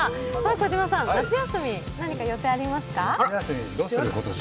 児嶋さん、夏休み、何か予定ありますか？